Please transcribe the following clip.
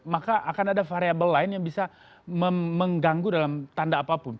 maka akan ada variable lain yang bisa mengganggu dalam tanda apapun